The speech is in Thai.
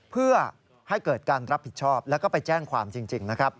เพื่อให้เกิดการรับผิดชอบแล้วก็ไปแจ้งความจริงนะครับ